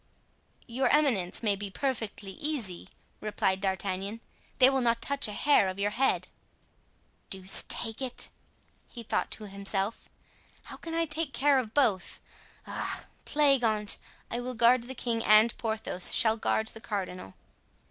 "Your eminence may be perfectly easy," replied D'Artagnan; "they will not touch a hair of your head." "Deuce take it!" he thought to himself, "how can I take care of both? Ah! plague on't, I will guard the king and Porthos shall guard the cardinal."